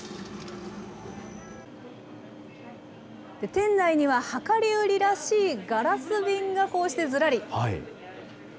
店内には量り売りらしいガラス瓶がこうしてずらり。